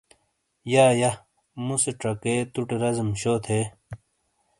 یا یا۔ موسے چکَے توٹے رزیم شو تھے۔